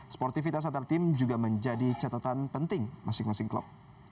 sportivitas antar tim juga menjadi catatan penting masing masing klub